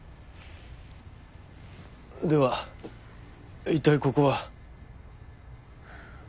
ではいったいここは。